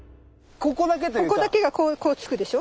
ここだけがこうつくでしょ。